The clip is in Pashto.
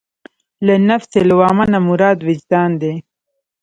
له نفس لوامه نه مراد وجدان دی.